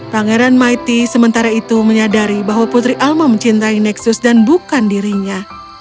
pangeran maiti sementara itu menyadari bahwa putri alma mencintai nexus dan bukan dirinya